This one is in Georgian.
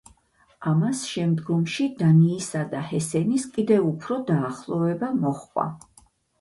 ამას შემდგომში დანიისა და ჰესენის კიდევ უფრო დაახლოვება მოჰყვა.